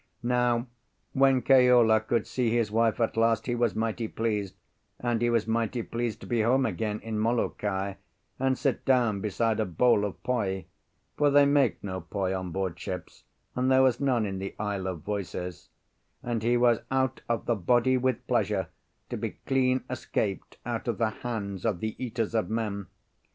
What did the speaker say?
Now, when Keola could see his wife at last he was mighty pleased, and he was mighty pleased to be home again in Molokai and sit down beside a bowl of poi—for they make no poi on board ships, and there was none in the Isle of Voices—and he was out of the body with pleasure to be clean escaped out of the hands of the eaters of men.